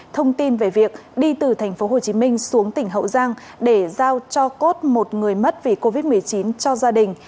thông tin về việc đi từ tp hcm xuống tỉnh hậu giang để giao cho cốt một người mất vì covid một mươi chín cho gia đình